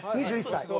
２１歳。